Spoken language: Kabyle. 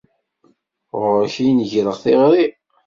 Ɣur-k i n-greɣ tiɣri!